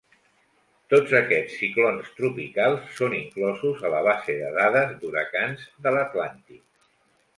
Tots aquests ciclons tropicals són inclosos a la base de dades d'huracans de l'Atlàntic.